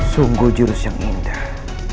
sungguh jurus yang indah